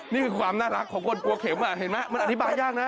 นี่คือความน่ารักของคนกลัวเข็มเห็นไหมมันอธิบายยากนะ